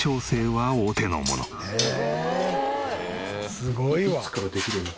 すごーい。